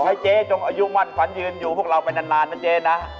ให้เจ๊จงอายุมั่นขวัญยืนอยู่พวกเราไปนานนะเจ๊นะ